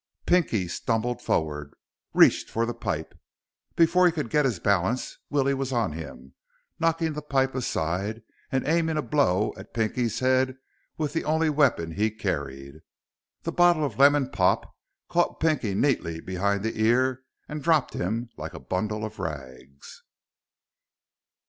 Pinky stumbled forward, reached for the pipe. Before he could get his balance, Willie was on him, knocking the pipe aside and aiming a blow at Pinky's head with the only weapon he carried. The bottle of lemon pop caught Pinky neatly behind the ear and dropped him like a bundle of rags.